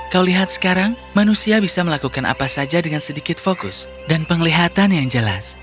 kau lihat sekarang manusia bisa melakukan apa saja dengan sedikit fokus dan penglihatan yang jelas